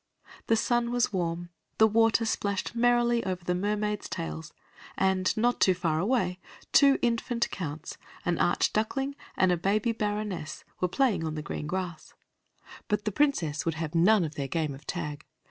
The sun was warm, the water splashed merrily over the mermaids' tails, and not far away two infant counts, an archduckling, and a baby baroness were playing on the green grass, but the Princess would have none of their game of tag.